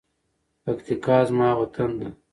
پکتیکا زما وطن ده.